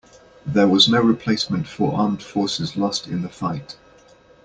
There was no replacement for armed forces lost in the fight.